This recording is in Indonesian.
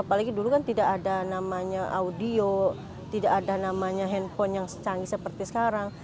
apalagi dulu kan tidak ada namanya audio tidak ada namanya handphone yang secanggih seperti sekarang